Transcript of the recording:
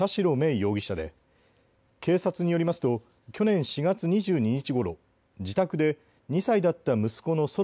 容疑者で警察によりますと去年４月２２日ごろ自宅で２歳だった息子の空来